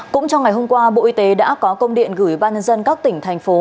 cũng trong ngày hôm qua bộ y tế đã có công điện gửi ban nhân dân các tỉnh thành phố